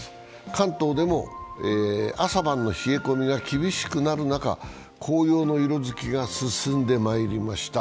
関東でも朝晩の冷え込みが厳しくなる中、紅葉の色づきが進んでまいりました。